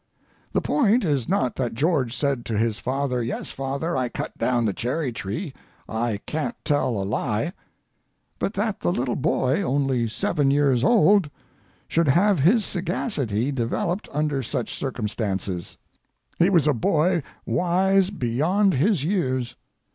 The point is not that George said to his father, "Yes, father, I cut down the cheery tree; I can't tell a lie," but that the little boy—only seven years old—should have his sagacity developed under such circumstances. He was a boy wise beyond his years.